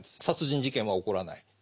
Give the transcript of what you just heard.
殺人事件は起こらない。